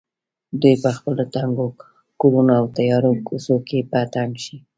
دوی په خپلو تنګو کورونو او تیارو کوڅو کې په تنګ شي.